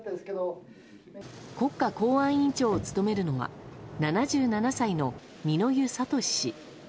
国家公安委員長を務めるのは７７歳の二之湯智氏。